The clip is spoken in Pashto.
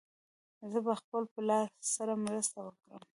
زه به خپل پلار سره مرسته وکړم.